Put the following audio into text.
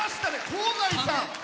香西さん